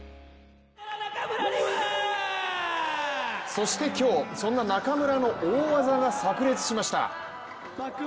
そして今日、そんな中村の大技がさく裂しました。